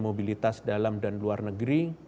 mobilitas dalam dan luar negeri